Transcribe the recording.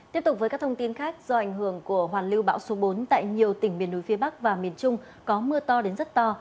tiếp tục với các thông tin khác do ảnh hưởng của hoàn lưu bão số bốn tại nhiều tỉnh miền núi phía bắc và miền trung có mưa to đến rất to